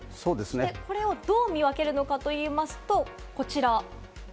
これをどう見分けるのかといいますと、こちら。